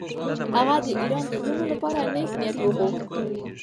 هغه د ایران د وروڼو لپاره نېک نیت وغوښت.